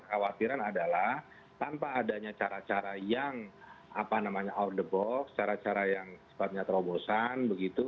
kekhawatiran adalah tanpa adanya cara cara yang out the box cara cara yang sempatnya terobosan begitu